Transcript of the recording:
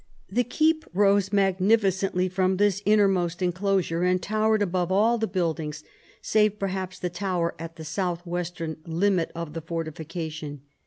The keep rose magnificently from this innermost enclosure, and towered above all the buildings, save perhaps the tower at the south western limit of the fortification.